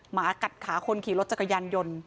หมากัดขาคนขี่รถจักรยานยนต์